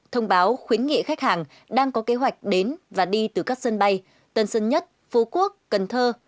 thông báo khuyến nghị khách hàng đang có kế hoạch đến và đi từ các sân bay tân sơn nhất phú quốc cần thơ